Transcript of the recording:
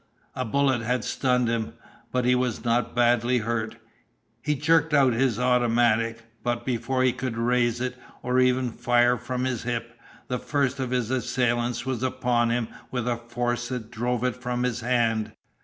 A bullet had stunned him, but he was not badly hurt. He jerked out his automatic, but before he could raise it, or even fire from his hip, the first of his assailants was upon him with a force that drove it from his hand.